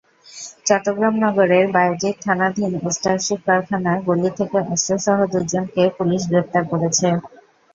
চট্টগ্রাম নগরের বায়েজিদ থানাধীন স্টারশিপ কারখানার গলি থেকে অস্ত্রসহ দুজনকে পুলিশ গ্রেপ্তার করেছে।